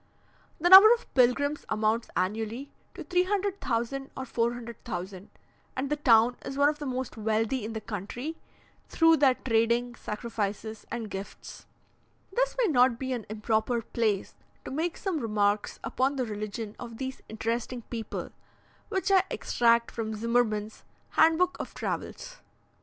The number of pilgrims amounts annually to 300,000 or 400,000, and the town is one of the most wealthy in the country, through their trading, sacrifices, and gifts. This may not be an improper place to make some remarks upon the religion of these interesting people, which I extract from Zimmerman's "Handbook of Travels."